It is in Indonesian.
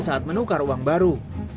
untuk menukar uang baru